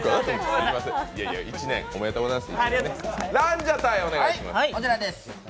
１年、おめでとうございます。